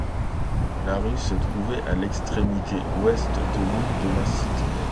La rue se trouvait à l'extrémité ouest de l'île de la Cité.